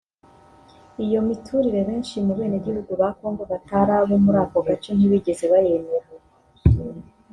Iyo miturire benshi mu benegihugu ba Congo batari abo muri ako gace ntibigeze bayemera